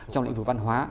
trong lĩnh vực văn hóa